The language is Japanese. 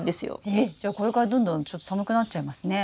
えっじゃあこれからどんどんちょっと寒くなっちゃいますね。